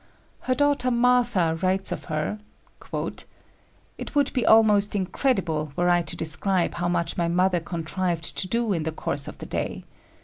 Her daughter Martha writes of her: "It would be almost incredible were I to describe how much my mother contrived to do in the course of the day.